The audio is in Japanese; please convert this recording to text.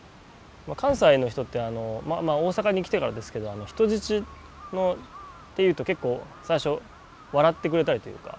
関西の人って大阪に来てからですけど人質って言うと結構最初笑ってくれたりというか。